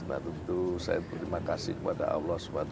nah tentu saya berterima kasih kepada allah swt